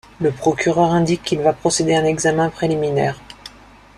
Le procureur indique qu'il va procéder à un examen préliminaire.